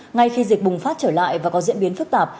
ngay khi dịch bùng phát trở lại và có diễn biến phức tạp